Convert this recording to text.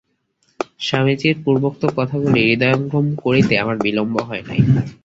স্বামীজীর পূর্বোক্ত কথাগুলি হৃদয়ঙ্গম করিতে আমার বিলম্ব হয় নাই।